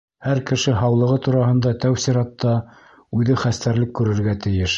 Һәр кеше һаулығы тураһында тәү сиратта үҙе хәстәрлек күрергә тейеш.